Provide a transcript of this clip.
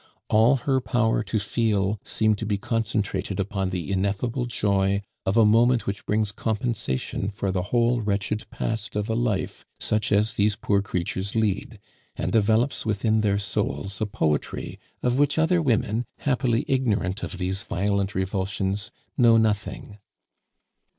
All her power to feel seemed to be concentrated upon the ineffable joy of a moment which brings compensation for the whole wretched past of a life such as these poor creatures lead, and develops within their souls a poetry of which other women, happily ignorant of these violent revulsions, know nothing.